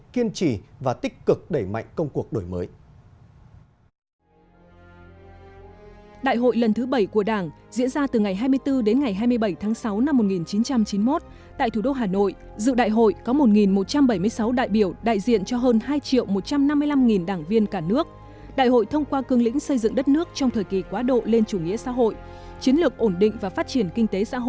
kiên trì và tích cực đẩy mạnh công cuộc đổi mới